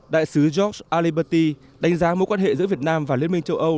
đại sứ george aliberti đánh giá mối quan hệ giữa việt nam và liên minh châu âu